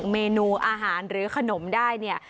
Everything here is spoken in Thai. เมนูอาหารหรือขนมได้เนี่ย